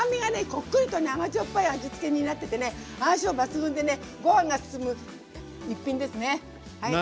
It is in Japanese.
こっくりとね甘じょっぱい味付けになっててね相性抜群でねご飯がすすむ１品ですねはい。